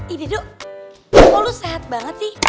ih dado kok lo sehat banget sih